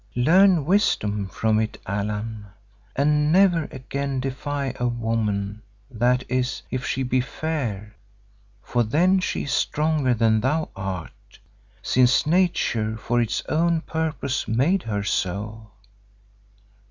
Learn wisdom from it, Allan, and never again defy a woman—that is, if she be fair, for then she is stronger than thou art, since Nature for its own purpose made her so.